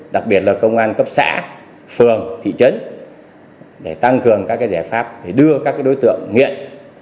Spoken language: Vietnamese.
đặc biệt là công an cấp xã phường thị trấn để tăng cường các giải pháp để đưa các đối tượng nghiện